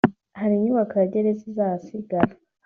hari inyubako ya Gereza izahasiraga